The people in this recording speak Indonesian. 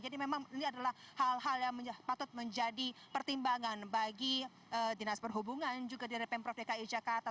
jadi memang ini adalah hal hal yang patut menjadi pertimbangan bagi dinas perhubungan juga dari pemprov dki jakarta